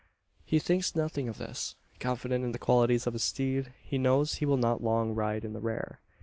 He thinks nothing of this. Confident in the qualities of his steed, he knows he will not long ride in the rear.